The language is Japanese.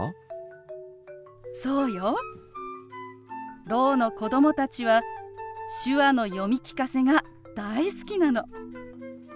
そうよろうの子供たちは手話の読み聞かせが大好きなの。